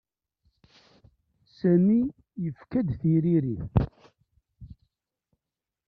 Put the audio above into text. Sami yefka-d tiririt.